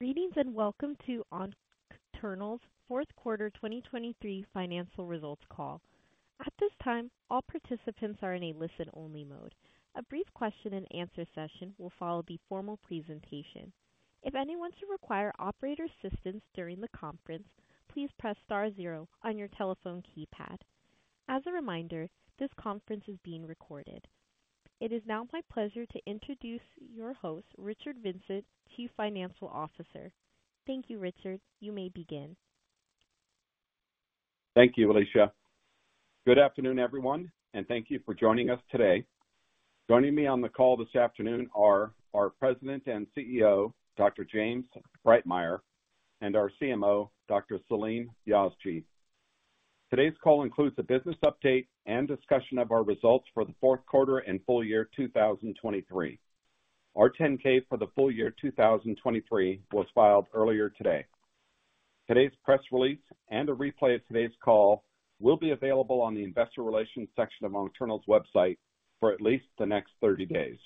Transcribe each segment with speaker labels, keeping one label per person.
Speaker 1: Greetings and welcome to Oncternal's fourth quarter 2023 financial results call. At this time, all participants are in a listen-only mode. A brief question-and-answer session will follow the formal presentation. If anyone should require operator assistance during the conference, please press star zero on your telephone keypad. As a reminder, this conference is being recorded. It is now my pleasure to introduce your host, Richard Vincent, Chief Financial Officer. Thank you, Richard. You may begin.
Speaker 2: Thank you, Alicia. Good afternoon, everyone, and thank you for joining us today. Joining me on the call this afternoon are our President and CEO, Dr. James Breitmeyer, and our CMO, Dr. Salim Yazji. Today's call includes a business update and discussion of our results for the fourth quarter and full year 2023. Our 10-K for the full year 2023 was filed earlier today. Today's press release and a replay of today's call will be available on the investor relations section of Oncternal's website for at least the next 30 days.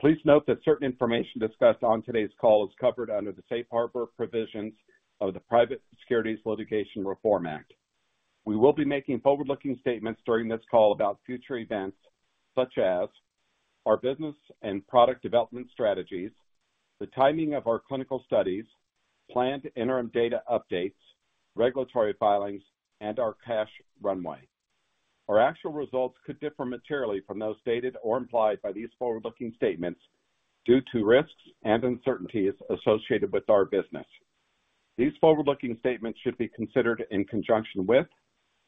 Speaker 2: Please note that certain information discussed on today's call is covered under the Safe Harbor provisions of the Private Securities Litigation Reform Act. We will be making forward-looking statements during this call about future events such as our business and product development strategies, the timing of our clinical studies, planned interim data updates, regulatory filings, and our cash runway. Our actual results could differ materially from those stated or implied by these forward-looking statements due to risks and uncertainties associated with our business. These forward-looking statements should be considered in conjunction with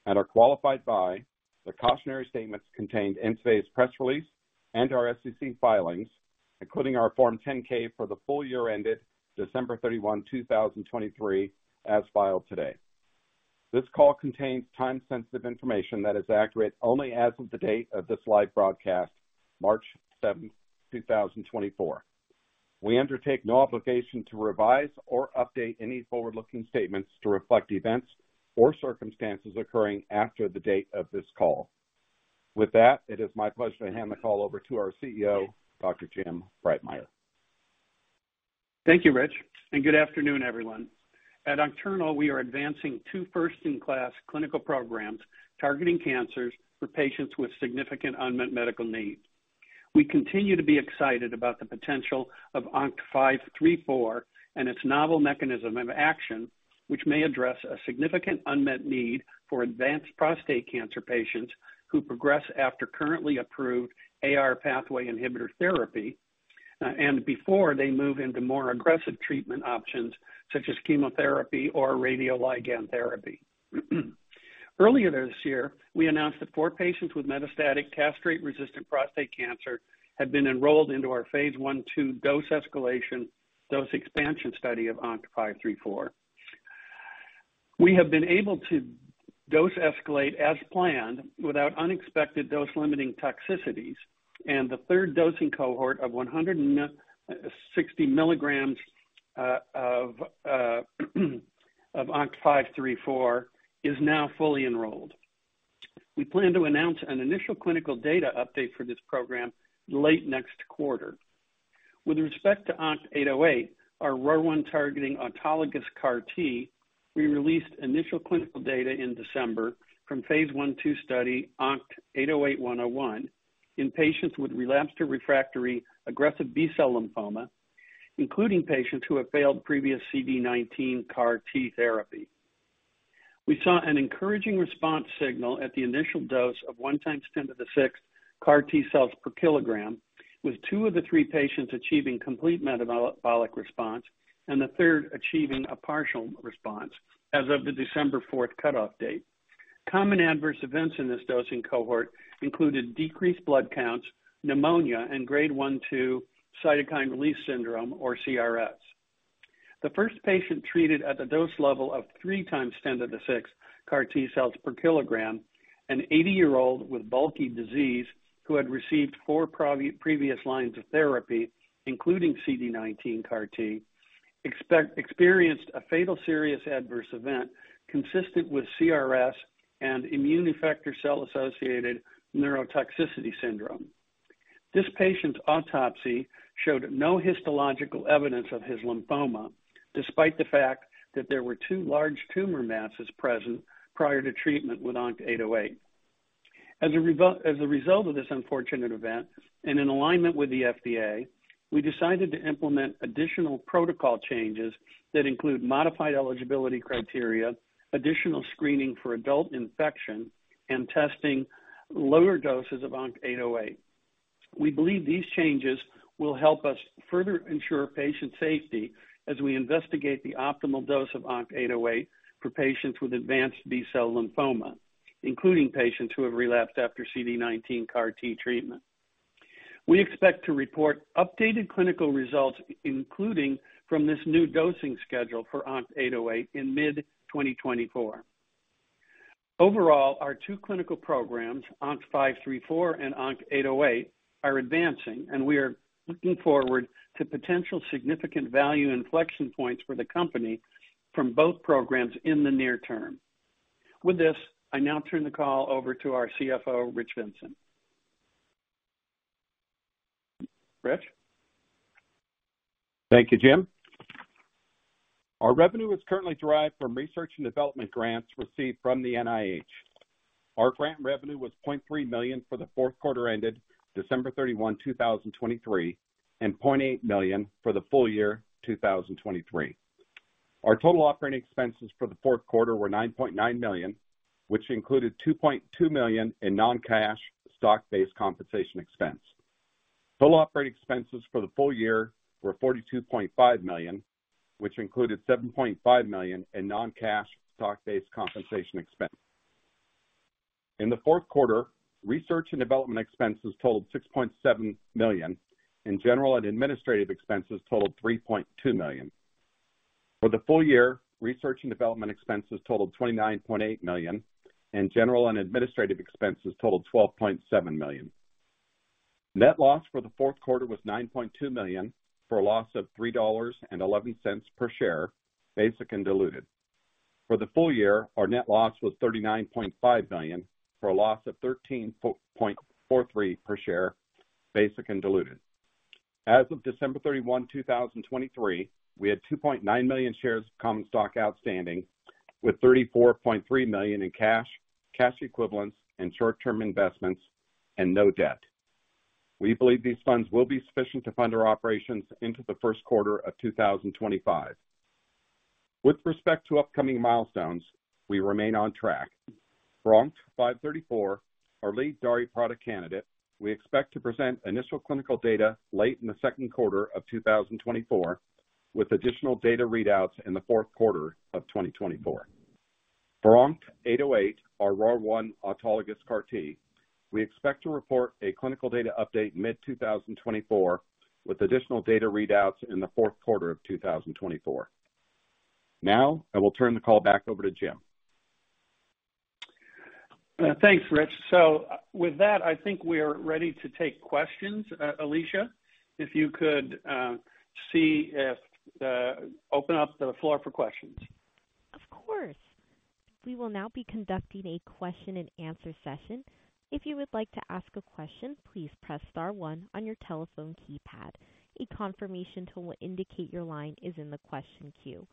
Speaker 2: and are qualified by the cautionary statements contained in today's press release and our SEC filings, including our Form 10-K for the full year ended December 31, 2023, as filed today. This call contains time-sensitive information that is accurate only as of the date of this live broadcast, March 7, 2024. We undertake no obligation to revise or update any forward-looking statements to reflect events or circumstances occurring after the date of this call. With that, it is my pleasure to hand the call over to our CEO, Dr. Jim Breitmeyer.
Speaker 3: Thank you, Rich, and good afternoon, everyone. At Oncternal, we are advancing two first-in-class clinical programs targeting cancers for patients with significant unmet medical need. We continue to be excited about the potential of ONCT-534 and its novel mechanism of action, which may address a significant unmet need for advanced prostate cancer patients who progress after currently approved AR pathway inhibitor therapy and before they move into more aggressive treatment options such as chemotherapy or radioligand therapy. Earlier this year, we announced that four patients with metastatic castration-resistant prostate cancer had been enrolled into our phase 1/2 dose escalation/dose expansion study of ONCT-534. We have been able to dose escalate as planned without unexpected dose-limiting toxicities, and the third dosing cohort of 160 milligrams of ONCT-534 is now fully enrolled. We plan to announce an initial clinical data update for this program late next quarter. With respect to ONCT-808, our ROR1-targeting autologous CAR-T, we released initial clinical data in December from phase 1/2 study ONCT-808-101 in patients with relapsed to refractory aggressive B-cell lymphoma, including patients who have failed previous CD19 CAR-T therapy. We saw an encouraging response signal at the initial dose of 1 × 10^6 CAR-T cells per kilogram, with two of the three patients achieving complete metabolic response and the third achieving a partial response as of the December 4th cutoff date. Common adverse events in this dosing cohort included decreased blood counts, pneumonia, and grade 1/2 cytokine release syndrome, or CRS. The first patient treated at the dose level of 3 × 10^6 CAR-T cells per kilogram, an 80-year-old with bulky disease who had received four previous lines of therapy, including CD19 CAR-T, experienced a fatal serious adverse event consistent with CRS and immune effector cell-associated neurotoxicity syndrome. This patient's autopsy showed no histological evidence of his lymphoma, despite the fact that there were two large tumor masses present prior to treatment with ONCT-808. As a result of this unfortunate event and in alignment with the FDA, we decided to implement additional protocol changes that include modified eligibility criteria, additional screening for adult infection, and testing lower doses of ONCT-808. We believe these changes will help us further ensure patient safety as we investigate the optimal dose of ONCT-808 for patients with advanced B-cell lymphoma, including patients who have relapsed after CD19 CAR-T treatment. We expect to report updated clinical results, including from this new dosing schedule for ONCT-808, in mid-2024. Overall, our two clinical programs, ONCT-534 and ONCT-808, are advancing, and we are looking forward to potential significant value inflection points for the company from both programs in the near term. With this, I now turn the call over to our CFO, Rich Vincent. Rich?
Speaker 2: Thank you, Jim. Our revenue is currently derived from research and development grants received from the NIH. Our grant revenue was $0.3 million for the fourth quarter ended December 31, 2023, and $0.8 million for the full year 2023. Our total operating expenses for the fourth quarter were $9.9 million, which included $2.2 million in non-cash stock-based compensation expense. Total operating expenses for the full year were $42.5 million, which included $7.5 million in non-cash stock-based compensation expense. In the fourth quarter, research and development expenses totaled $6.7 million, and general and administrative expenses totaled $3.2 million. For the full year, research and development expenses totaled $29.8 million, and general and administrative expenses totaled $12.7 million. Net loss for the fourth quarter was $9.2 million for a loss of $3.11 per share, basic and diluted. For the full year, our net loss was $39.5 million for a loss of $13.43 per share, basic and diluted. As of December 31, 2023, we had 2.9 million shares of common stock outstanding, with $34.3 million in cash, cash equivalents, and short-term investments, and no debt. We believe these funds will be sufficient to fund our operations into the first quarter of 2025. With respect to upcoming milestones, we remain on track. For ONCT-534, our lead DAARI product candidate, we expect to present initial clinical data late in the second quarter of 2024, with additional data readouts in the fourth quarter of 2024. For ONCT-808, our ROR1 autologous CAR-T, we expect to report a clinical data update mid-2024, with additional data readouts in the fourth quarter of 2024. Now, I will turn the call back over to Jim.
Speaker 3: Thanks, Rich. So with that, I think we are ready to take questions. Alicia, if you could open up the floor for questions.
Speaker 1: Of course. We will now be conducting a question-and-answer session. If you would like to ask a question, please press star one on your telephone keypad. A confirmation to indicate your line is in the question queue.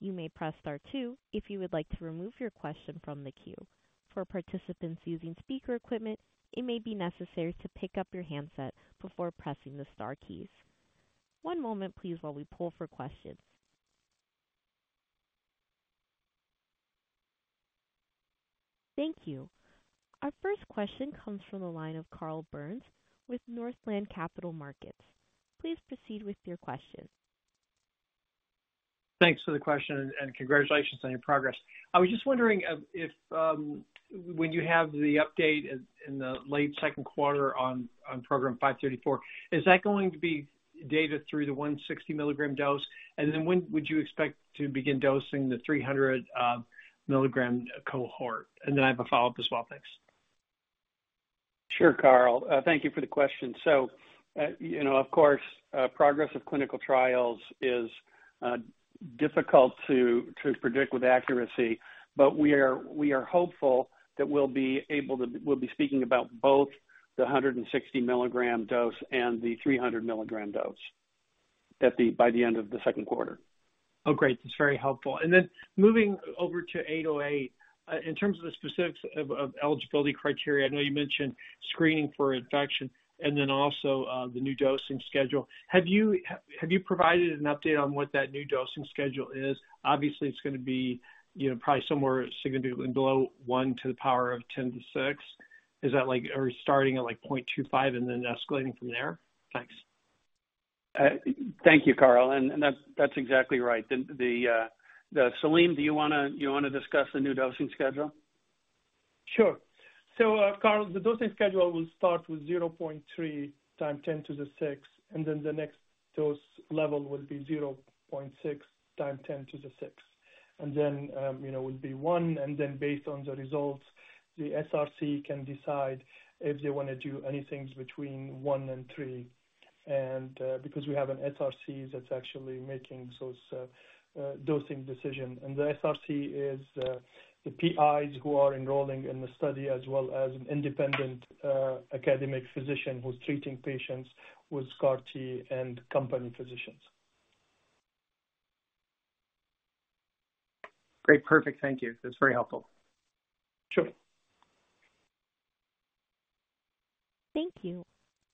Speaker 1: You may press star two if you would like to remove your question from the queue. For participants using speaker equipment, it may be necessary to pick up your handset before pressing the star keys. One moment, please, while we pull for questions. Thank you. Our first question comes from the line of Carl Byrnes with Northland Capital Markets. Please proceed with your question.
Speaker 4: Thanks for the question and congratulations on your progress. I was just wondering if when you have the update in the late second quarter on Program 534, is that going to be data through the 160 milligram dose, and then when would you expect to begin dosing the 300 milligram cohort? And then I have a follow-up as well. Thanks.
Speaker 3: Sure, Carl. Thank you for the question. So, of course, progress of clinical trials is difficult to predict with accuracy, but we are hopeful that we'll be speaking about both the 160 milligram dose and the 300 milligram dose by the end of the second quarter.
Speaker 4: Oh, great. That's very helpful. And then moving over to 808, in terms of the specifics of eligibility criteria, I know you mentioned screening for infection and then also the new dosing schedule. Have you provided an update on what that new dosing schedule is? Obviously, it's going to be probably somewhere significantly below 1 × 10^6. Is that starting at 0.25 and then escalating from there? Thanks.
Speaker 3: Thank you, Carl. That's exactly right. Salim, do you want to discuss the new dosing schedule?
Speaker 5: Sure. So, Carl, the dosing schedule will start with 0.3 × 10^6, and then the next dose level will be 0.6 × 10^6. Then it will be one, and then based on the results, the SRC can decide if they want to do anything between one and three because we have an SRC that's actually making those dosing decisions. The SRC is the PIs who are enrolling in the study as well as an independent academic physician who's treating patients with CAR-T and company physicians.
Speaker 4: Great. Perfect. Thank you. That's very helpful.
Speaker 5: Sure.
Speaker 1: Thank you.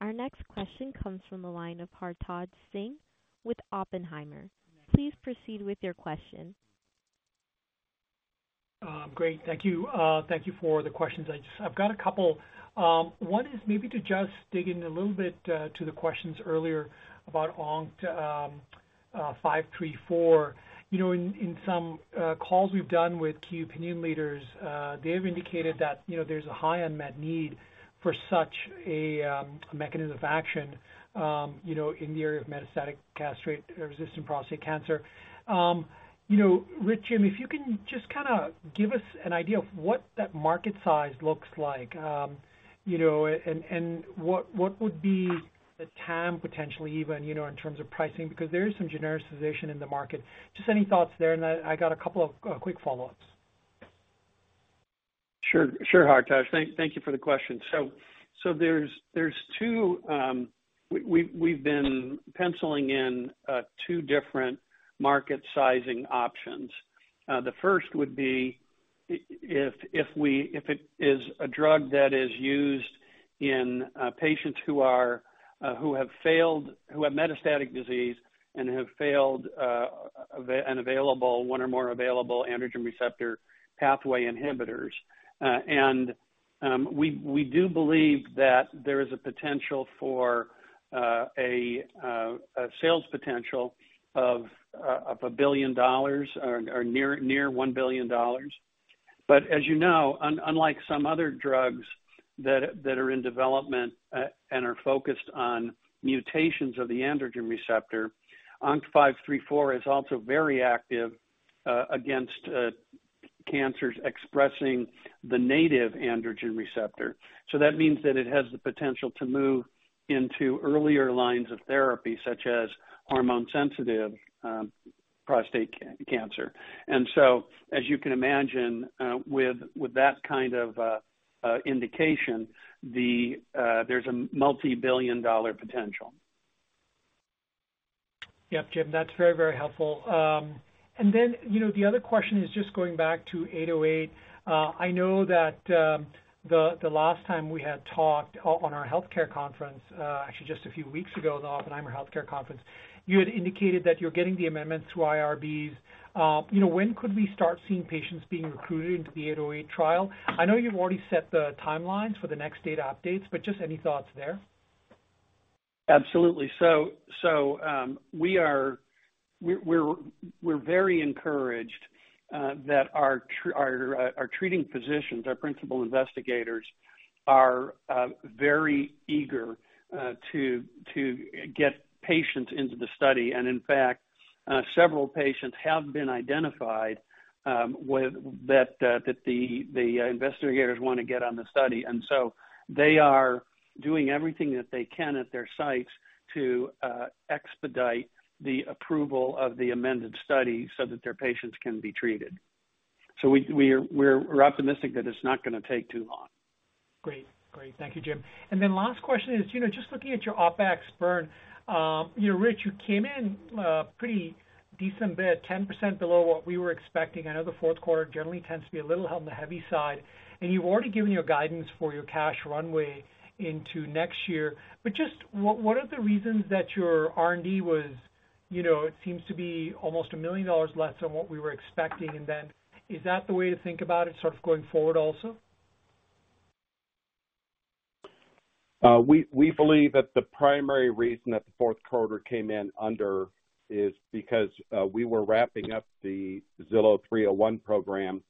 Speaker 1: Our next question comes from the line of Hartaj Singh with Oppenheimer. Please proceed with your question.
Speaker 6: Great. Thank you for the questions. I've got a couple. One is maybe to just dig in a little bit to the questions earlier about ONCT-534. In some calls we've done with key opinion leaders, they have indicated that there's a high unmet need for such a mechanism of action in the area of metastatic castration-resistant prostate cancer. Rich, Jim, if you can just kind of give us an idea of what that market size looks like and what would be the TAM potentially even in terms of pricing because there is some generalization in the market. Just any thoughts there, and I got a couple of quick follow-ups.
Speaker 3: Sure, Hartaj. Thank you for the question. So there's two we've been penciling in two different market sizing options. The first would be if it is a drug that is used in patients who have metastatic disease and have failed an available one or more available androgen receptor pathway inhibitors. And we do believe that there is a potential for a sales potential of $1 billion or near $1 billion. But as you know, unlike some other drugs that are in development and are focused on mutations of the androgen receptor, ONCT-534 is also very active against cancers expressing the native androgen receptor. So that means that it has the potential to move into earlier lines of therapy such as hormone-sensitive prostate cancer. And so, as you can imagine, with that kind of indication, there's a multi-billion-dollar potential.
Speaker 6: Yep, Jim, that's very, very helpful. Then the other question is just going back to 808. I know that the last time we had talked on our healthcare conference, actually just a few weeks ago in the Oppenheimer Healthcare Conference, you had indicated that you're getting the amendments through IRBs. When could we start seeing patients being recruited into the 808 trial? I know you've already set the timelines for the next data updates, but just any thoughts there?
Speaker 3: Absolutely. So we're very encouraged that our treating physicians, our principal investigators, are very eager to get patients into the study. And in fact, several patients have been identified that the investigators want to get on the study. And so they are doing everything that they can at their sites to expedite the approval of the amended study so that their patients can be treated. So we're optimistic that it's not going to take too long.
Speaker 6: Great. Great. Thank you, Jim. And then last question is just looking at your OpEx burn. Rich, you came in a pretty decent bit, 10% below what we were expecting. I know the fourth quarter generally tends to be a little on the heavy side, and you've already given your guidance for your cash runway into next year. But just what are the reasons that your R&D was, it seems, to be almost $1 million less than what we were expecting. And then is that the way to think about it sort of going forward also?
Speaker 2: We believe that the primary reason that the fourth quarter came in under is because we were wrapping up the ZILO-301 program,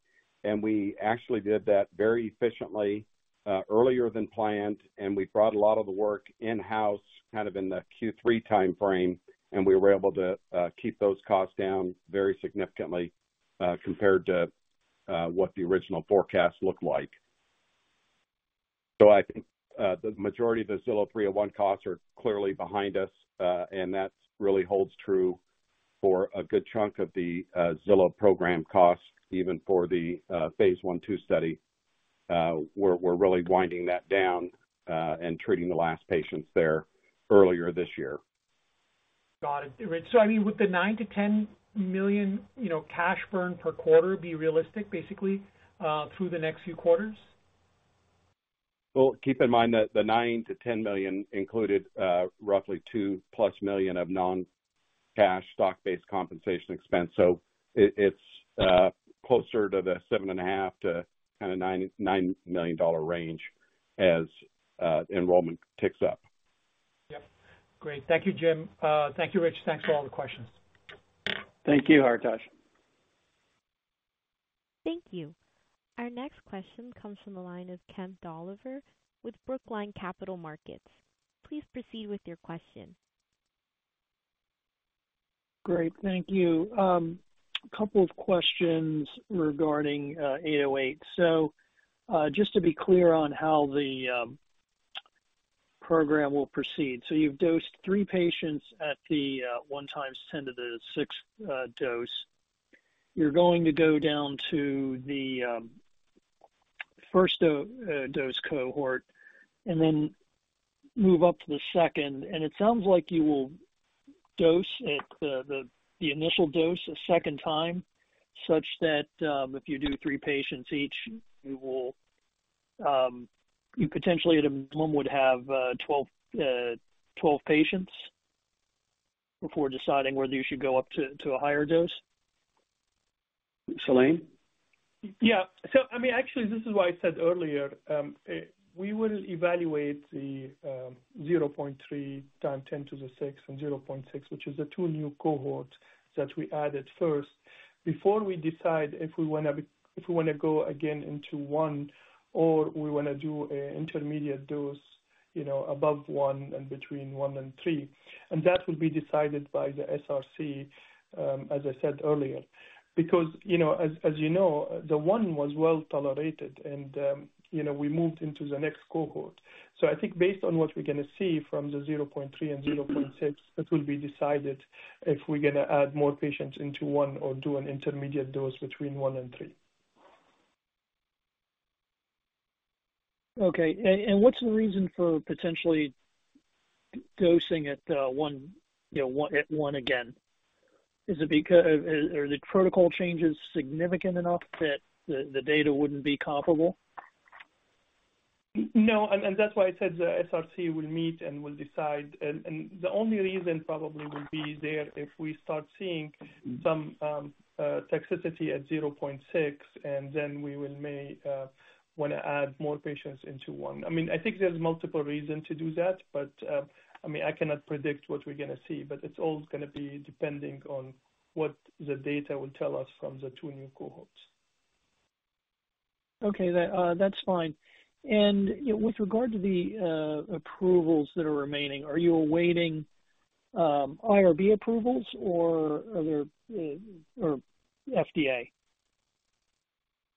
Speaker 2: and we actually did that very efficiently earlier than planned. We brought a lot of the work in-house kind of in the Q3 time frame, and we were able to keep those costs down very significantly compared to what the original forecast looked like. So I think the majority of the ZILO-301 costs are clearly behind us, and that really holds true for a good chunk of the ZILO program costs, even for the Phase 1/2 study. We're really winding that down and treating the last patients there earlier this year.
Speaker 6: Got it. Rich, so I mean, would the $9 million to $10 million cash burn per quarter be realistic, basically, through the next few quarters?
Speaker 2: Well, keep in mind that the $9 million to $10 million included roughly $2+ million of non-cash stock-based compensation expense. So it's closer to the $7.5 million to $9 million range as enrollment ticks up.
Speaker 6: Yep. Great. Thank you, Jim. Thank you, Rich. Thanks for all the questions.
Speaker 3: Thank you, Hartaj.
Speaker 1: Thank you. Our next question comes from the line of Kemp Doliver with Brookline Capital Markets. Please proceed with your question.
Speaker 7: Great. Thank you. A couple of questions regarding 808. So just to be clear on how the program will proceed, so you've dosed three patients at the 1 × 10^6 dose. You're going to go down to the first dose cohort and then move up to the second. And it sounds like you will dose the initial dose a second time such that if you do three patients each, you potentially, at a minimum, would have 12 patients before deciding whether you should go up to a higher dose.
Speaker 2: Salim?
Speaker 5: Yeah. So I mean, actually, this is why I said earlier. We will evaluate the 0.3 × 10^6 and 0.6, which is the two new cohorts that we added first, before we decide if we want to go again into one or we want to do an intermediate dose above one and between one and three. And that will be decided by the SRC, as I said earlier. Because as you know, the one was well tolerated, and we moved into the next cohort. So I think based on what we're going to see from the 0.3 and 0.6, it will be decided if we're going to add more patients into one or do an intermediate dose between one and three.
Speaker 7: Okay. What's the reason for potentially dosing at one again? Are the protocol changes significant enough that the data wouldn't be comparable?
Speaker 5: No. And that's why I said the SRC will meet and will decide. And the only reason probably will be there if we start seeing some toxicity at 0.6, and then we will may want to add more patients into one. I mean, I think there's multiple reasons to do that, but I mean, I cannot predict what we're going to see. But it's all going to be depending on what the data will tell us from the two new cohorts.
Speaker 7: Okay. That's fine. And with regard to the approvals that are remaining, are you awaiting IRB approvals or FDA?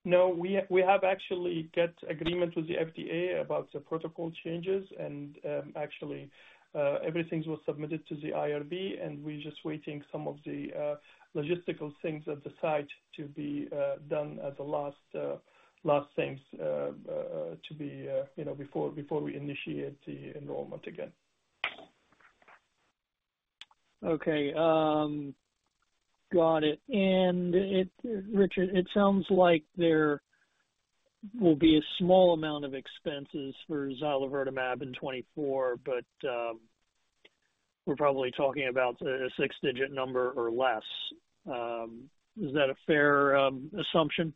Speaker 5: No. We have actually got agreement with the FDA about the protocol changes. Actually, everything was submitted to the IRB, and we're just waiting some of the logistical things at the site to be done as the last things to be before we initiate the enrollment again.
Speaker 7: Okay. Got it. And Richard, it sounds like there will be a small amount of expenses for zilovertamab in 2024, but we're probably talking about a six-digit number or less. Is that a fair assumption?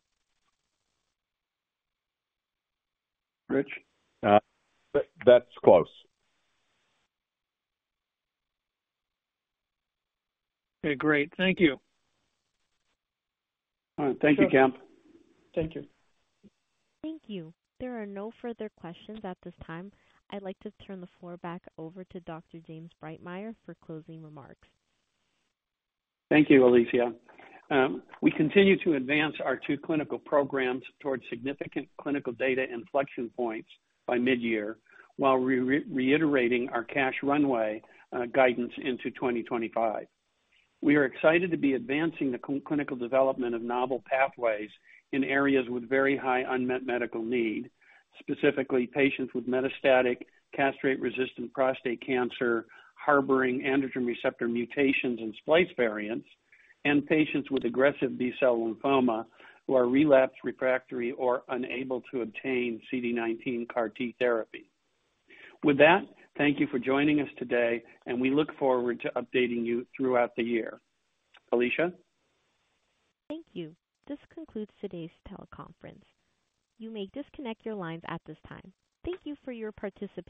Speaker 3: Rich?
Speaker 2: That's close.
Speaker 7: Okay. Great. Thank you.
Speaker 2: All right. Thank you, Kemp.
Speaker 3: Thank you.
Speaker 1: Thank you. There are no further questions at this time. I'd like to turn the floor back over to Dr. James Breitmeyer for closing remarks.
Speaker 3: Thank you, Alicia. We continue to advance our two clinical programs towards significant clinical data inflection points by midyear while reiterating our cash runway guidance into 2025. We are excited to be advancing the clinical development of novel pathways in areas with very high unmet medical need, specifically patients with metastatic castration-resistant prostate cancer harboring androgen receptor mutations and splice variants, and patients with aggressive B-cell lymphoma who are relapsed, refractory, or unable to obtain CD19 CAR-T therapy. With that, thank you for joining us today, and we look forward to updating you throughout the year. Alicia?
Speaker 1: Thank you. This concludes today's teleconference. You may disconnect your lines at this time. Thank you for your participation.